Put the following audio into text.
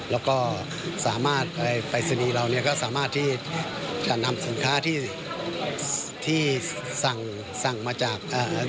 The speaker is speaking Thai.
แล้วก็สามารถปริศนีเราก็สามารถที่จะนำสินค้าที่สั่งมาจาก